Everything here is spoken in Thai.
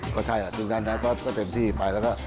ก็ใช่ยุคนั้นก็เต็มที่ไปแล้วก็